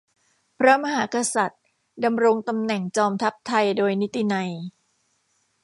พระมหากษัตริย์ดำรงตำแหน่งจอมทัพไทยโดยนิตินัย